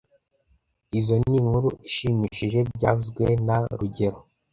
Izoi ni inkuru ishimishije byavuzwe na rugero